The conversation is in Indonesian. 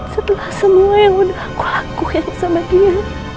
setelah semua yang udah aku lakuin sama dia